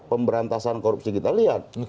pemberantasan korupsi kita lihat